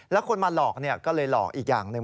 แล้วคนมาหลอกก็เลยหลอกอีกอย่างหนึ่ง